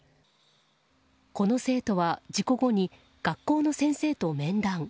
この生徒は事故後に学校の先生と面談。